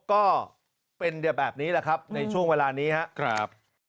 ก็เป็นแบบนี้แหละครับในช่วงเวลานี้ครับ